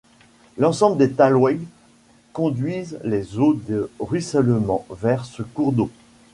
L'ensemble des talwegs conduisent les eaux de ruissellement vers ce cours d'eau.